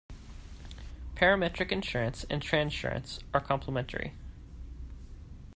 Parametric Insurance and Transurance are complementary.